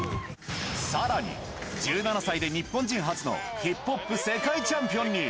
さらに、１７歳で日本人初のヒップホップ世界チャンピオンに。